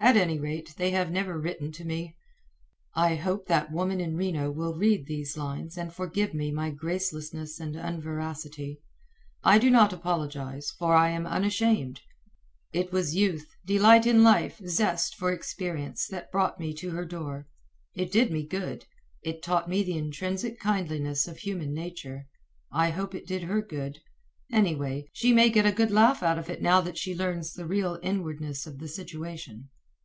At any rate, they have never written to me. I hope that woman in Reno will read these lines and forgive me my gracelessness and unveracity. I do not apologize, for I am unashamed. It was youth, delight in life, zest for experience, that brought me to her door. It did me good. It taught me the intrinsic kindliness of human nature. I hope it did her good. Anyway, she may get a good laugh out of it now that she learns the real inwardness of the situation.